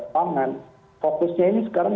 pangan fokusnya ini sekarang